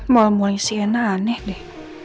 mulai mulai shaina aneh deh